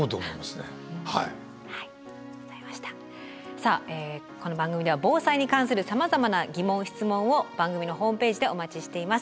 さあこの番組では防災に関するさまざまな疑問・質問を番組のホームページでお待ちしています。